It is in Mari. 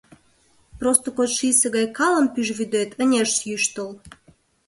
Просто кодшийсе гай калым пӱжвӱдет ынешт йӱштыл.